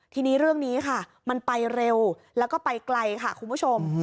ทีนี้เรื่องนี้ค่ะมันไปเร็วแล้วก็ไปไกลค่ะคุณผู้ชม